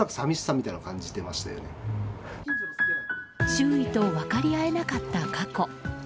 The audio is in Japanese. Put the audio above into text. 周囲と分かり合えなかった過去。